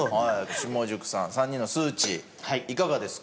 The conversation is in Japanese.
下宿さん３人の数値いかがですか？